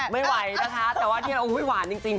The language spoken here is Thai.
ไม่ไหวนะคะแต่ว่าที่นี่เราไม่หวานจริง